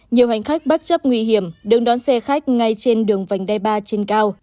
nhiều hành khách bắt chấp nguy hiểm đứng đón xe khách ngay trên đường vành đê ba trên cao